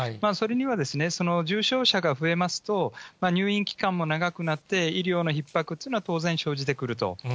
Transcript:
それには、重症者が増えますと、入院期間も長くなって、医療のひっ迫っていうのは、当然、生じてくると。